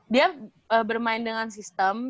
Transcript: dia bermain dengan sistem